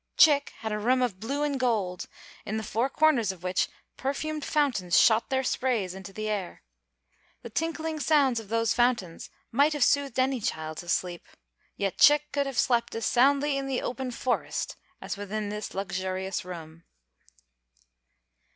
Chick had a room of blue and gold, in the four corners of which perfumed fountains shot their sprays into the air. The tinkling sounds of these fountains might have soothed any child to sleep, yet Chick could have slept as soundly in the open forest as within this luxurious room.